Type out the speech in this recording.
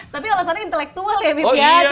tapi alasannya intelektual ya bip ya